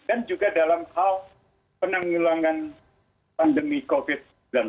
dan juga dalam hal penanggulangan pandemi covid sembilan belas